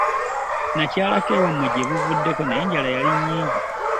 Nakyalako ewammwe gye buvuddeko naye enjala yali nnyingi.